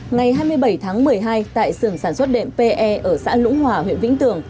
ngày hai mươi bảy tháng một mươi hai tại sưởng sản xuất đệm pe ở xã lũng hòa huyện vĩnh tường